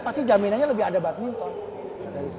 pasti jaminannya lebih ada badminton